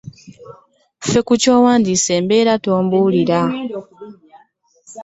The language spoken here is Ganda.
Nfa ku kyandeese ebirala tombuulira.